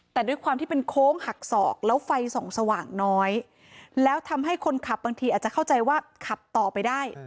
แต่ด้วยความที่เป็นโค้งหักศอกแล้วไฟส่องสว่างน้อยแล้วทำให้คนขับบางทีอาจจะเข้าใจว่าขับต่อไปได้